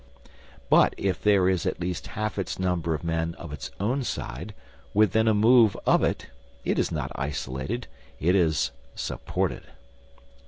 But if there is at least half its number of men of its own side within a move of it, it is not isolated; it is supported.